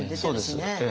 そうです。